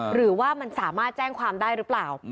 หรือว่ามันสามารถแจ้งความได้หรือเปล่า